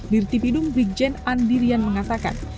dirtipidung brigjen andirian mengatakan